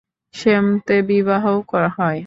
সেমতে বিবাহও হয়।